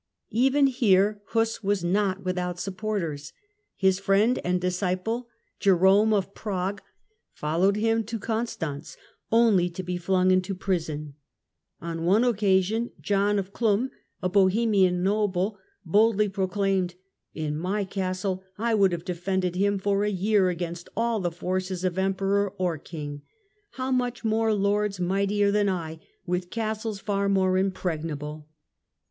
Even here Huss was not without supporters. His friend and disciple Jerome of Prague followed him to Constance, only to be flung into prison. On one oc casion John of Chlum, a Bohemian noble, boldly pro claimed : "In my Castle I would have defended him for a year against all the forces of Emperor or King ; how much more lords mightier than I, with Castles far more impregnable